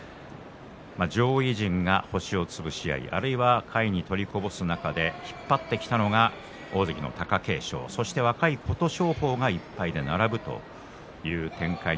上位陣が星をつぶし合いあるいは下位に取りこぼす中で引っ張ってきたのが大関の貴景勝そして若い琴勝峰が１敗で並んでいます。